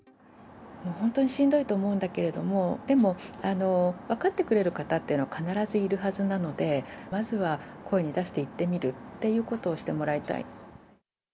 本当にしんどいと思うんだけれども、でも分かってくれる方っていうのは必ずいるはずなので、まずは声に出して言ってみるということをしてもらいたい。